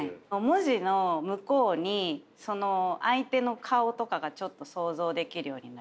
文字の向こうにその相手の顔とかがちょっと想像できるようになりました。